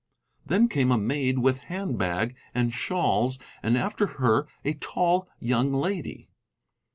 Then came a maid with hand bag and shawls, and after her a tall young lady.